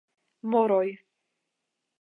Moroj: